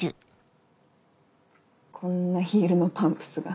こんなヒールのパンプスが。